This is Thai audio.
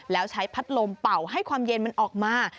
แล้วใช้พัดลมเป่าให้ความเย็นมันออกมา